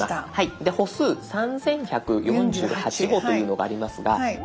で「歩数３，１４８歩」というのがありますが。